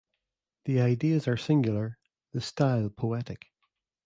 The ideas are singular; the style poetic.